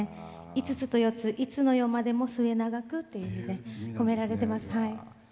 ５つと４ついつつの世も末永くと込められてます。